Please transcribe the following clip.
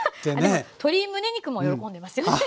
でも鶏むね肉も喜んでますよね。